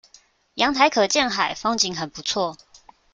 陽台可見海，風景很不錯